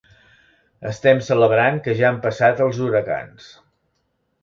Estem celebrant que ja han passat els huracans.